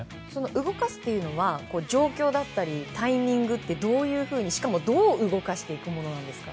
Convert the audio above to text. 動かすというのは状況だったりタイミングってどういうふうにしかも、どう動かしていくものなんですか？